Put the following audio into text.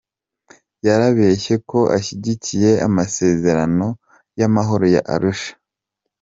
Yarabeshye ko ashyigikiye amasezerano y’amahoro ya Arusha.